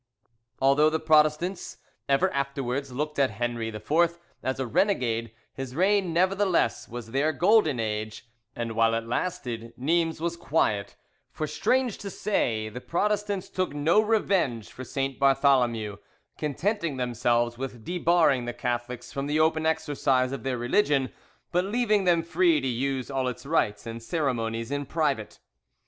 Although the Protestants ever afterwards looked on Henri IV as a renegade, his reign nevertheless was their golden age, and while it lasted Nines was quiet; for, strange to say, the Protestants took no revenge for St. Bartholomew, contenting themselves with debarring the Catholics from the open exercise of their religion, but leaving them free to use all its rites and ceremonies in private.